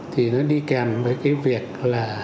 thì nó đi kèm với cái việc là